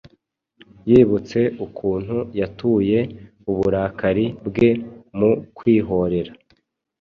Yibutse ukuntu yatuye uburakari bwe mu kwihorera